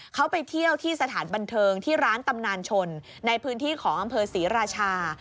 เขาไปเที่ยวที่สถานบันเทิงที่ร้านตำนานชนในพื้นที่ของอำเภอศรีราชา